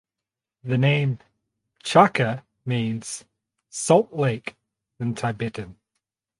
The name "Chaka" means "salt lake" in Tibetan.